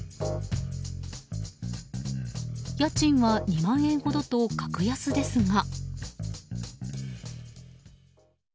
家賃は２万円ほどと格安ですが。